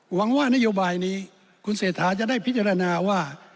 หวังว่านโยบายนี้คุณเศรษฐาจะได้พิจารณาว่า